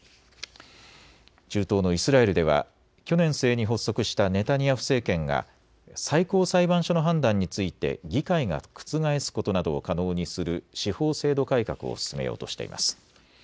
中東のイスラエルでは去年末に発足したネタニヤフ政権が最高裁判所の判断について議会が覆すことなどを可能にする司法制度改革を進めようとしています。